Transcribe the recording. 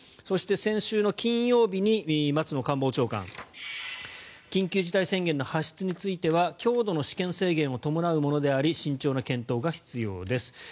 そして、先週の金曜日に松野官房長官緊急事態宣言の発出については強度の私権制限を伴うものであり慎重な検討が必要です。